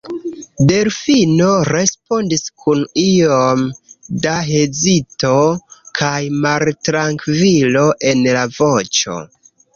Delfino respondis kun iom da hezito kaj maltrankvilo en la voĉo.